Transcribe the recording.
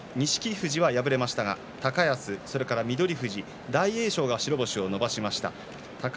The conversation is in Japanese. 富士は今日敗れましたが高安、翠富士が今日勝って白星を伸ばしました。